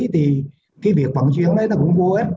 thì cái việc vận chuyển đấy nó cũng vô ích